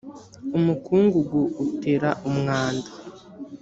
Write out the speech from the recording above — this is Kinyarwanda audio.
umukungugu utera umwanda.